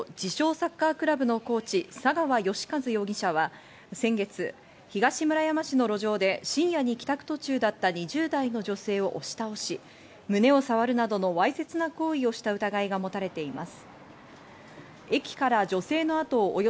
サッカークラブのコーチ・佐川禎一容疑者は先月、東村山市の路上で深夜に帰宅途中だった２０代の女性を押し倒し、胸をさわるなどのわいせつな行為をした疑いがもたれています。